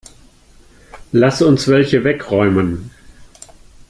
Lass uns welche wegräumen.